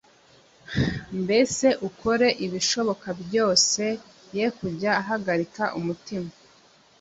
mbese ukore ibishoboka byose ye kujya ahagarika umutima